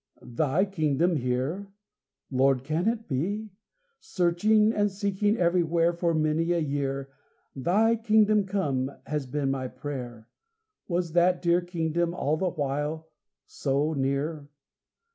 Thy kingdom here? Lord, can it be? Searching and seeking everywhere For many a year, "Thy kingdom come" has been my prayer. Was that dear kingdom all the while so near?